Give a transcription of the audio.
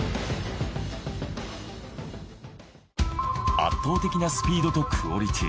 圧倒的なスピードとクオリティー。